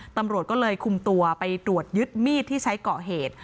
ตำรวจก็เลยคุมตัวไปตรวจยึดมีดที่ใช้ก่อเหตุ